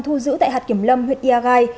thu giữ tại hạt kiểm lâm huyện ia gai